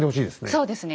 そうですね。